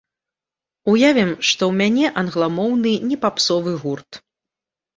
Уявім, што ў мяне англамоўны не папсовы гурт.